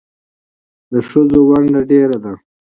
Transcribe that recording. د ښځو ونډه ډېره ده